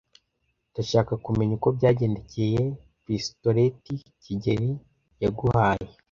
Ndashaka kumenya uko byagendekeye pistolet kigeli yaguhaye.